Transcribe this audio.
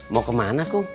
mau kemana kum